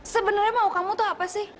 sebenarnya mau kamu tuh apa sih